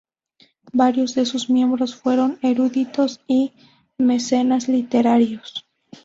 Varios de sus miembros fueron eruditos y mecenas literarios.